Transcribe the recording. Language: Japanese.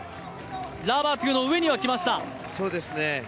ラバトゥの上にはきました。